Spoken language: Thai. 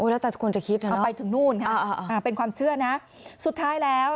แล้วแต่ควรจะคิดนะเป็นความเชื่อนะสุดท้ายแล้ว